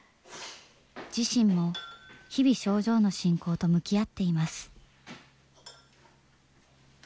自身も日々症状の進行と向き合っています。